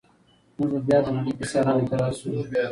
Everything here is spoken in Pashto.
موږ به بیا د نړۍ په سیالانو کې راشو.